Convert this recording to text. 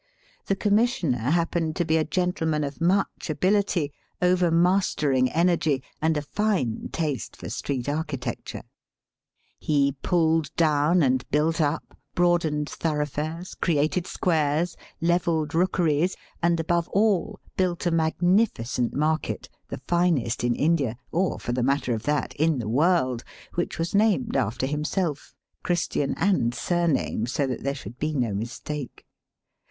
The Commissioner happened to be a gentleman of much ability, overmastering energy, and a fine taste for street architecture. He pulled Digitized by VjOOQIC 176 EAST BY WEST. down and built up, broadened thoroughfares, created squares, levelled rookeries, and, above all, built a magnificent market, the finest in India, or, for the matter of that, in the world, which was named after himseK — Christian and surname, so that there should be no mistake.